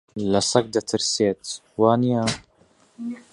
لە سەگ دەترسێت، وانییە؟